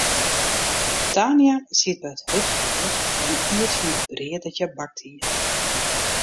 Tania siet by it hurdfjoer en iet fan it brea dat hja bakt hie.